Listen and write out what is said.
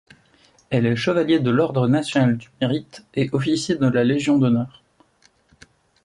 Elle est chevalier de l'Ordre national du Mérite et officier de la Légion d'honneur.